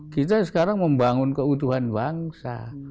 kita sekarang membangun keutuhan bangsa